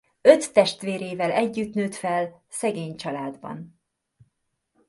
Öt testvérével együtt nőtt fel szegény családban.